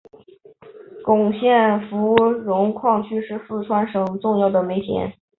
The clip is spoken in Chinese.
珙县芙蓉矿区是四川省重要的煤田。